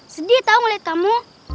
sedih tau ngeliat kamu